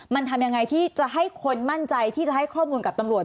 มันทำยังไงที่จะให้คนมั่นใจที่จะให้ข้อมูลกับตำรวจ